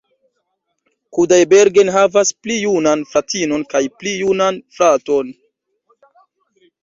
Kudaibergen havas pli junan fratinon kaj pli junan fraton.